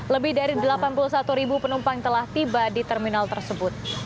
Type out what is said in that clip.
lebih dari delapan puluh satu ribu penumpang telah tiba di terminal tersebut